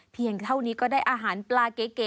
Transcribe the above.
เท่านี้ก็ได้อาหารปลาเก๋